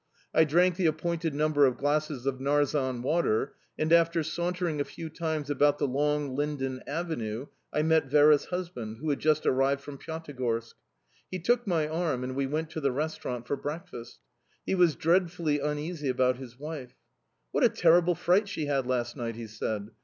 I drank the appointed number of glasses of Narzan water, and, after sauntering a few times about the long linden avenue, I met Vera's husband, who had just arrived from Pyatigorsk. He took my arm and we went to the restaurant for breakfast. He was dreadfully uneasy about his wife. "What a terrible fright she had last night," he said.